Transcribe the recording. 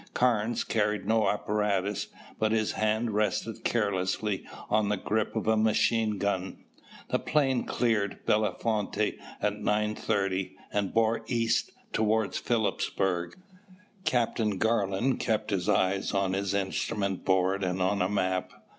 Carnes carried no apparatus but his hand rested carelessly on the grip of a machine gun. The plane cleared Bellefonte at nine thirty and bore east toward Philipsburg. Captain Garland kept his eyes on his instrument board and on a map.